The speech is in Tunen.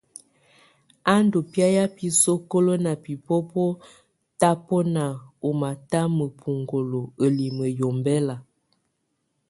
A ndù biàya bi sokolo ná bibobo tabɔnɛna ú mata ma bɔ̀aŋgolo ǝlimǝ yɛ ɔmbɛla.